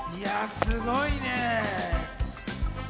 すごいね。